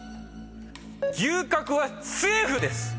牛角はセーフです！